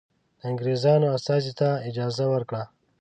د انګرېزانو استازي ته اجازه ورکړه.